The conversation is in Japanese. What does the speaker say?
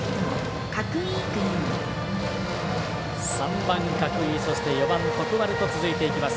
３番、角井そして４番、徳丸と続いていきます。